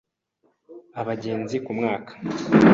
abagenzi ku mwaka